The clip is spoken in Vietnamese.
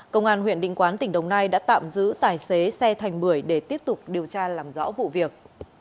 công an huyện định quán tỉnh đồng nai đã tạm giữ tài xế xe thành bưởi để tiếp tục điều tra làm rõ vụ việc